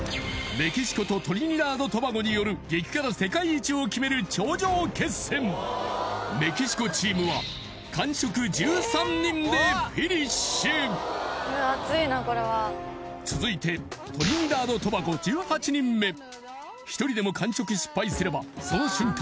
メキシコとトリニダード・トバゴによるメキシコチームは完食１３人でフィニッシュ続いてトリニダード・トバゴ１８人目一人でも完食失敗すればその瞬間